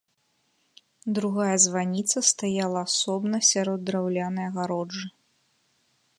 Другая званіца стаяла асобна сярод драўлянай агароджы.